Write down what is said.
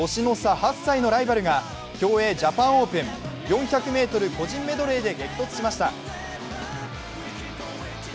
８歳のライバルが競泳ジャパンオープン４００ｍ個人メドレーで激突しました。